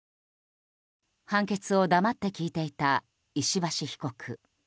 判決を黙って聞いていた石橋被告。